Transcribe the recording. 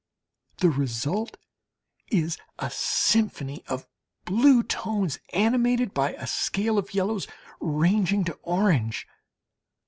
The result is a symphony of blue tones, animated by a scale of yellows ranging to orange.